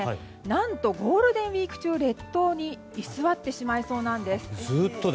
何とゴールデンウィーク中列島に居座ってしまいそうです。